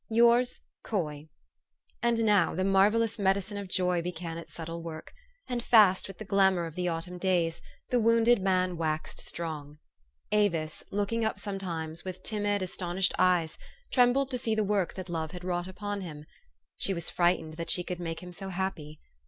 Yours, " COY.' And now the marvellous medicine of joy began its subtle work ; and fast, with the glamour of the autumn days, the wounded man waxed strong. Avis, looking up sometimes with timid, astonished 212 THE STORY OF AVIS. eyes, trembled to see the work that love had wrought upon him. She was frightened that she could make him so happy.